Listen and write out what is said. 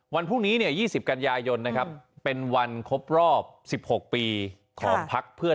วันพรุ่งนี้๒๐กันยายนนะครับเป็นวันครบรอบ๑๖ปีของพักเพื่อ